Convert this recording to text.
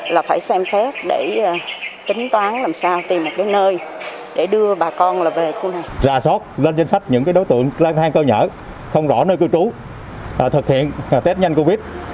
là phải xem xét để tính toán làm sao tìm một nơi để đưa bà con về khu này